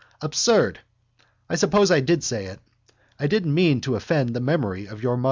Absurd! I suppose I did say it. I didn't mean to offend the memory of your mother.